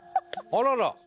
あらら。